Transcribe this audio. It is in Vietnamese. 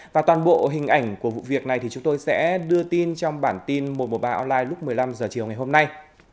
và toàn bộ hình ảnh của vụ việc này thì chúng tôi sẽ đưa tin trong bản tin một trăm một mươi ba online lúc một mươi năm h chiều ngày hôm nay